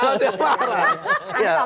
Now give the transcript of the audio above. lewat satu tahun ya parah